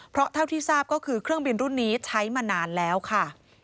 เพราะเท่าที่ทราบก็คือเครื่องบินรุ่นนี้ใช้มานานแล้วค่ะ